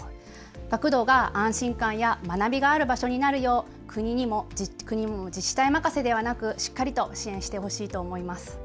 学童が安心感や学びがある場所になるよう国にも自治体任せでなくしっかりと支援してほしいと思います。